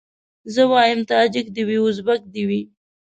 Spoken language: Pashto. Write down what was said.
زه وايم تاجک دي وي ازبک دي وي